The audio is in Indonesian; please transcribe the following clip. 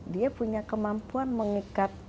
dia punya kemampuan mengikat